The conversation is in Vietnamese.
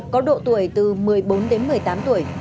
có độ tuổi từ một mươi bốn đến một mươi tám tuổi